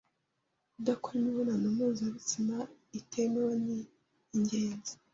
Kudakora imibonano mpuzabitsina itemewe ni ingenzi